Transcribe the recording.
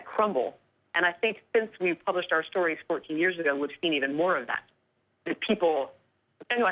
คือตั้งแต่เราสร้างเรื่อง๑๔ปีก่อนเราเห็นอีกกว่า